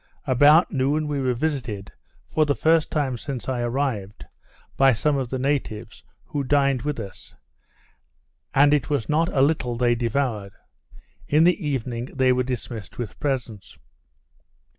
About noon, we were visited, for the first time since I arrived, by some of the natives, who dined with us; and it was not a little they devoured. In the evening they were dismissed with presents.